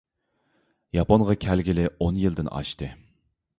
ياپونغا كەلگىلى ئون يىلدىن ئاشتى.